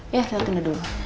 ya kita tunda dulu